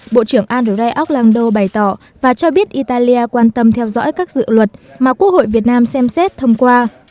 bộ trưởng andrei aucklanddo bày tỏ và cho biết italia quan tâm theo dõi các dự luật mà quốc hội việt nam xem xét thông qua